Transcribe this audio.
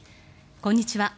こんにちは。